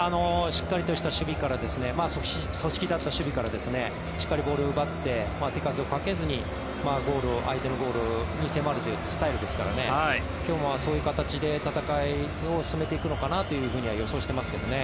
しっかりとした守備から組織だった守備からしっかりボールを奪って手数をかけずに相手のゴールに迫るというスタイルですから今日はそういう形で戦いを進めていくのかなと予想していますけどね。